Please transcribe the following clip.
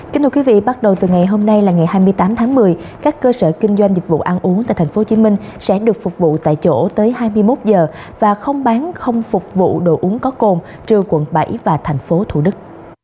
kính thưa quý vị bắt đầu từ ngày hôm nay là ngày hai mươi tám tháng một mươi các cơ sở kinh doanh dịch vụ ăn uống tại tp hcm sẽ được phục vụ tại chỗ tới hai mươi một giờ và không bán không phục vụ đồ uống có cồn trừ quận bảy và thành phố thủ đức